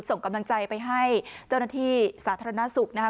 ส่งกำลังใจไปให้เจ้าหน้าที่สาธารณสุขนะคะ